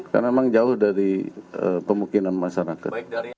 karena memang jauh dari pemungkinan masyarakat